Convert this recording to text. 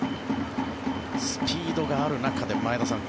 スピードがある中で、前田さん